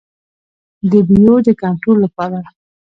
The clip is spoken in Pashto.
د بیو د کنټرول لپاره.